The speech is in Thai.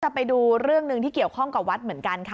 ไปดูเรื่องหนึ่งที่เกี่ยวข้องกับวัดเหมือนกันค่ะ